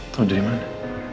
tau dari mana